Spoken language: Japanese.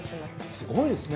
すごいですね。